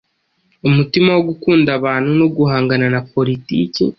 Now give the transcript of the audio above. umutima wo gukunda abantu no guhangana na Politiki